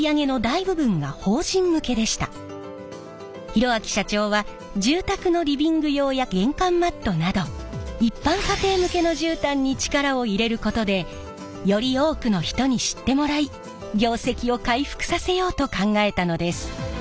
博明社長は住宅のリビング用や玄関マットなど一般家庭向けの絨毯に力を入れることでより多くの人に知ってもらい業績を回復させようと考えたのです。